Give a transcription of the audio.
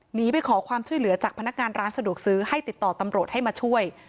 หนีไปขอความช่วยเหลือจากพนักงานร้านสะดวกซื้อให้ติดต่อตำรวจให้มาช่วย